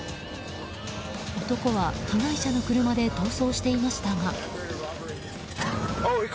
男は被害者の車で逃走していましたが。